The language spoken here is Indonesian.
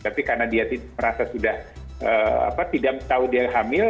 tapi karena dia merasa sudah tidak tahu dia hamil